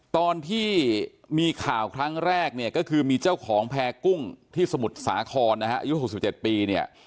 ตอนที่มีข่าวครั้งแรกเนี่ยก็คือมีเจ้าของแพร่กุ้งที่สมุทรสาครนะฮะอายุ๖๗ปีเนี่ย